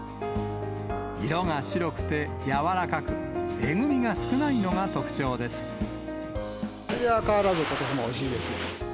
色が白くて柔らかく、味は変わらず、ことしもおいしいです。